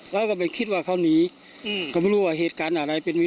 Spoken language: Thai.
เราก็ไปคิดว่าเขาหนีก็ไม่รู้ว่าเหตุการณ์อะไรเป็นไง